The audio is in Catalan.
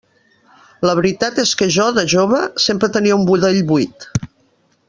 La veritat és que jo, de jove, sempre tenia un budell buit.